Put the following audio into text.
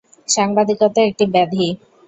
সাংবাদিকতা একটা ব্যাধি।